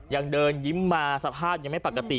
ยังเดินยิ้มมาสภาพยังไม่ปกติ